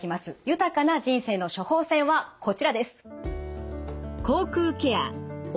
豊かな人生の処方箋はこちらです。